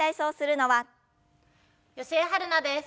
吉江晴菜です。